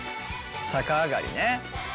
逆上がりね。